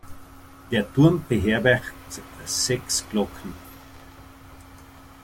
Der Turm beherbergt sechs Glocken.